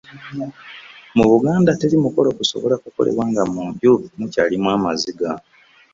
mu buganda teri mukolo gusobola kukolebwa nga mu nju mukyalimu amaziga